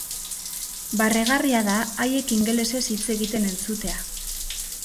Barregarria da haiek ingelesez hitz egiten entzutea.